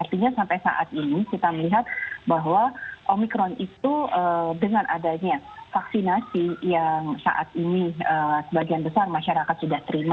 artinya sampai saat ini kita melihat bahwa omikron itu dengan adanya vaksinasi yang saat ini sebagian besar masyarakat sudah terima